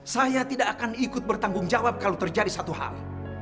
saya tidak akan ikut bertanggung jawab kalau terjadi satu hal